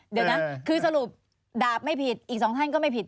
เดี๋ยวนะคือสรุปดาบไม่ผิดอีกสองท่านก็ไม่ผิด